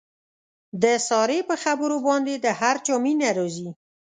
د سارې په خبرو باندې د هر چا مینه راځي.